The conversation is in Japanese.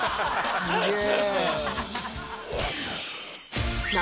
すげえ。